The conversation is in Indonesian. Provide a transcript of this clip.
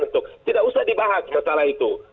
tidak usah dibahas masalah itu